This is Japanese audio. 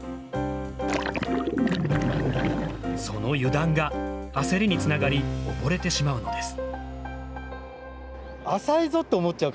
その油断が焦りにつながり溺れてしまうのです。